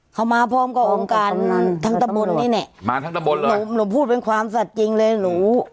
เขามาพร้อมกับองค์การทั้งตะบนนี่แหละมาทั้งตำบลเลยหนูหนูพูดเป็นความสัตว์จริงเลยหนู